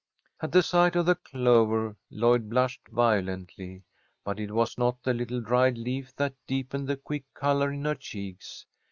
At the sight of the clover Lloyd blushed violently. But it was not the little dried leaf that deepened the quick colour in her cheeks.